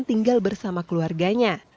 tinggal bersama keluarganya